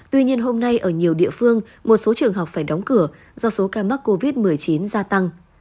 tuy nhiên hôm nay ở nhiều địa phương một số trường học phải đóng cửa do số ca mắc covid một mươi chín gia tăng